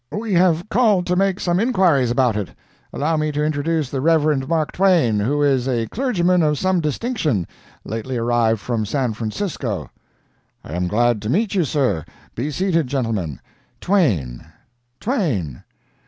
We have called to make some inquiries about it. Allow me to introduce the Rev. Mark Twain, who is a clergyman of some distinction, lately arrived from San Francisco." "I am glad to meet you, sir. Be seated, gentlemen. Twain—Twain